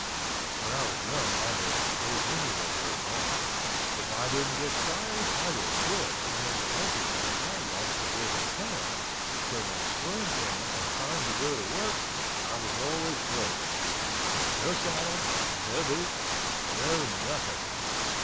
When I was young I never stayed anywhere very long. If I didn't get fired, I would quit and in the winter time I liked to live in town, so when spring came and time to go to work, I was always broke. No saddle, no boots, no nothing.